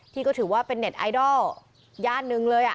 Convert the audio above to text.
ที่ก็ถือว่าเป็นเน็ตไอดอลย่านหนึ่งเลย